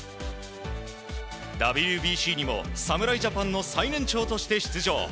ＷＢＣにも侍ジャパンの最年長として出場。